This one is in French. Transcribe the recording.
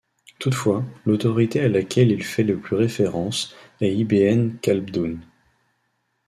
Toutefois, l'autorité à laquelle il fait le plus référence est Ibn Khaldoun.